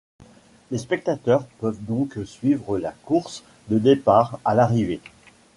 Les spectateurs peuvent donc suivre la course du départ à l'arrivée.